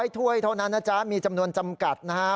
ถ้วยเท่านั้นนะจ๊ะมีจำนวนจำกัดนะฮะ